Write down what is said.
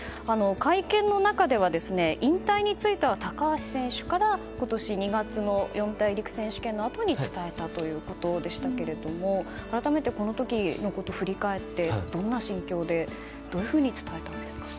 会見の中では、引退については高橋選手から今年２月の四大陸選手権のあとに伝えたということでしたけれども改めて、この時のことを振り返って、どんな心境でどういうふうに伝えたんですか。